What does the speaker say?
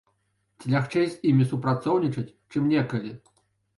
Ці лягчэй з імі супрацоўнічаць, чым некалі?